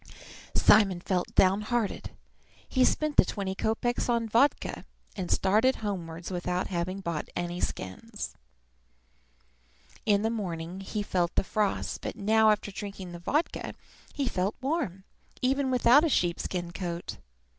Simon felt downhearted. He spent the twenty kopeks on vodka, and started homewards without having bought any skins. In the morning he had felt the frost; but now, after drinking the vodka, he felt warm, even without a sheep skin coat.